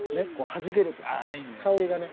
はじけるとさ香りがね。